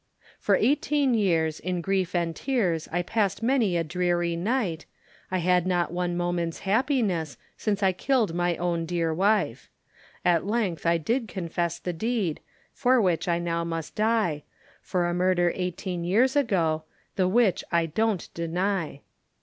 For eighteen years, in grief and tears, I passed many a dreary night, I had not one moment's happiness, Since I killed my own dear wife; At length I did confess the deed, For which I now must die, For a murder eighteen years ago The which I don't deny.